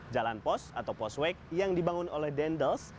jalan pols atau postweg yang dibangun oleh dendels